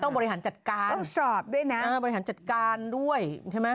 บริหารจัดการต้องสอบด้วยนะบริหารจัดการด้วยใช่ไหม